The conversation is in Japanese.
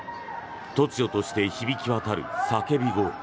突如として響き渡る叫び声。